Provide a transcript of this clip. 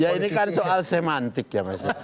ya ini kan soal semantik ya mas ya